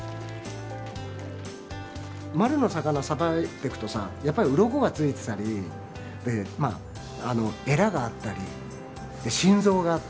丸の魚さばいてくとさやっぱりウロコがついてたりエラがあったり心臓があったり驚くんですよ。